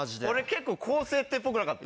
結構高設定っぽくなかった？